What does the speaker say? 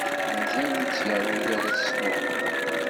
Mazal ur tt-yeṛwi ara s tmuɣli